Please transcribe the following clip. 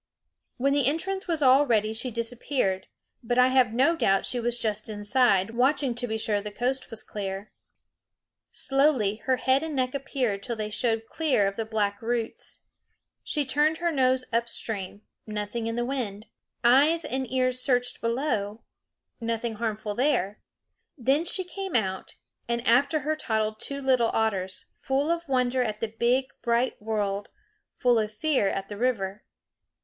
When the entrance was all ready she disappeared, but I have no doubt she was just inside, watching to be sure the coast was clear. Slowly her head and neck appeared till they showed clear of the black roots. She turned her nose up stream nothing in the wind. Eyes and ears searched below nothing harmful there. Then she came out, and after her toddled two little otters, full of wonder at the big bright world, full of fear at the river.